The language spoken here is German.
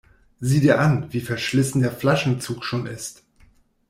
Sieh dir an, wie verschlissen der Flaschenzug schon ist.